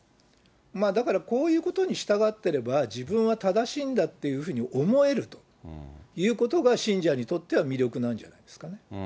だからこういうことに従ってれば、自分は正しいんだっていうふうに思えるということが、信者にとっては魅力なんじゃないんですかね。